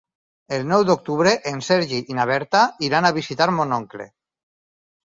El nou d'octubre en Sergi i na Berta iran a visitar mon oncle.